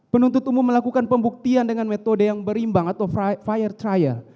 penuntut umum melakukan pembuktian dengan metode yang berimbang atau fire trial